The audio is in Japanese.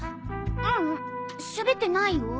ううんしゃべってないよ。